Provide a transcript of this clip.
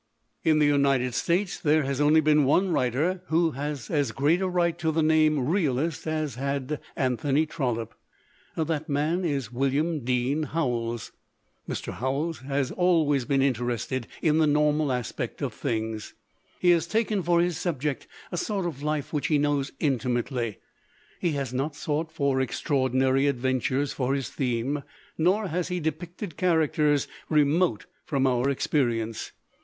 "In the United States there has been only one writer who has as great a right to the name realist as had Anthony Trollope. That man is William Dean Howells. Mr. Howells has always been interested in the normal aspect of things. He has taken for his subject a sort of life which he knows, intimately; he has not sought for extraor dinary adventures for his theme, nor has he de picted characters remote from our experience.